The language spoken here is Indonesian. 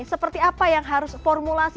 seperti apa yang harus formulasi